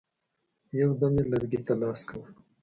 یو دم یې لرګي ته لاس کړ.